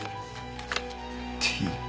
Ｔ。